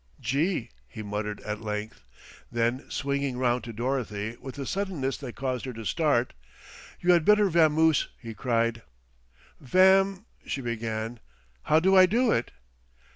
"Gee!" he muttered at length, then swinging round to Dorothy with a suddenness that caused her to start, "You had better vamoose," he cried. "Vam " she began. "How do I do it?"